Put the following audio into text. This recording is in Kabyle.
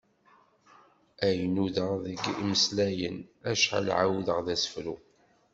Ay nudaɣ deg imeslayen, acḥal ɛawdeɣ d asefru!